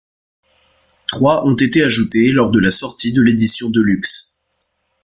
Trois ont été ajoutées lors de la sortie de l'édition deluxe.